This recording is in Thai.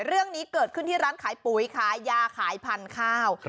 เรื่องนี้เกิดขึ้นที่ร้านขายปุ๋ยขายยาขายพันธุ์ข้าว